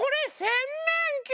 せんめんき！